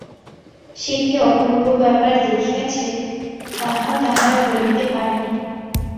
সে কি অপূর্ব ব্যাপার দেখিয়াছে তাহা তাহারা বলিতে পারে না।